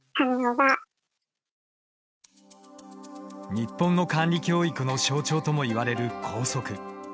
日本の管理教育の象徴ともいわれる校則。